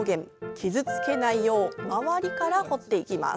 傷つけないよう周りから掘っていきます。